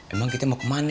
emang kita mau kemana